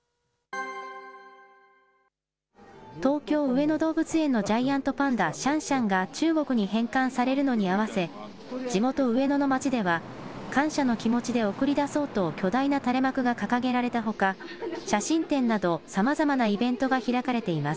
東京・上野動物園のジャイアントパンダ、シャンシャンが中国に返還されるのに合わせ、地元、上野の街では、感謝の気持ちで送り出そうと、巨大な垂れ幕が掲げられたほか、写真展などさまざまなイベントが開かれています。